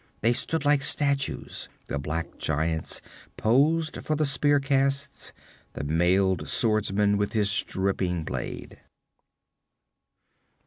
They stood like statues, the black giants poised for the spear casts, the mailed swordsman with his dripping blade.